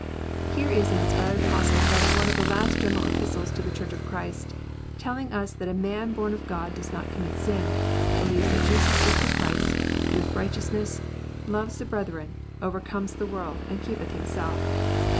Here is an inspired Apostle writing one of the last general Epistles to the Church of Christ, telling us that a man born of God does not commit sin, believes that Jesus is the Christ, doeth righteousness, loves the brethren, overcomes the world, and keepeth himself.